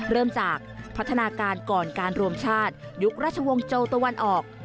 เริ่มจากพัฒนาการก่อนการรวมชาติยุคราชวงศ์โจตะวันออก